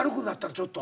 ちょっと。